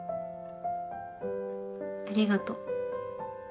ありがとう。